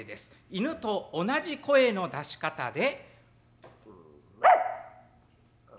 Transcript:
犬と同じ声の出し方で。